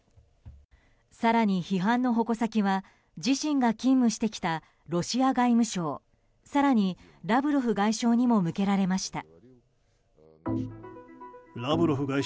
更に批判の矛先は自身が勤務してきたロシア外務省更に、ラブロフ外相にも向けられました。